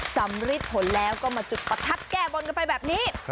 สำริดผลแล้วก็มาจุดประทัดแก้บนกันไปแบบนี้